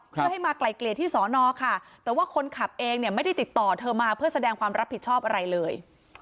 เพื่อให้มาไกลเกลี่ยที่สอนอค่ะแต่ว่าคนขับเองเนี่ยไม่ได้ติดต่อเธอมาเพื่อแสดงความรับผิดชอบอะไรเลย